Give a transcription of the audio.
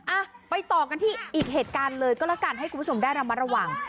อ่ะไปต่อกันที่อีกเหตุการณ์เลยก็แล้วกันให้คุณผู้ชมได้ระมัดระวัง